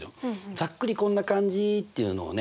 ざっくりこんな感じっていうのをね